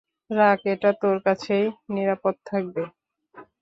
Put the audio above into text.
রাখ, এটা তোর কাছেই নিরাপদ থাকবে।